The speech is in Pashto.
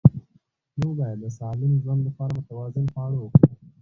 موږ باید د سالم ژوند لپاره متوازن خواړه وخورو